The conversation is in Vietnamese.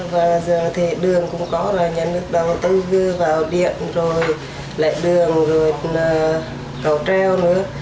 và giờ thì đường cũng có rồi nhà nước đầu tư đưa vào điện rồi lại đường rồi cầu treo nữa